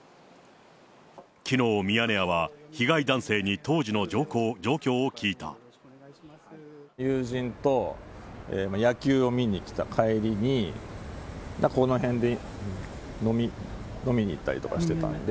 きのう、ミヤネ屋は、友人と野球を見に来た帰りに、この辺で飲みに行ったりとかしてたんで。